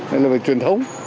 đây là về truyền thống